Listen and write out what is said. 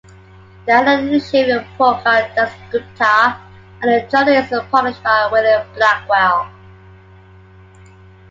The editor-in-chief is Prokar Dasgupta and the journal is published by Wiley-Blackwell.